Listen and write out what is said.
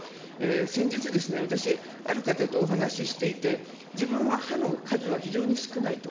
先日、私、ある方とお話ししていて、自分は歯の数は非常に少ないと。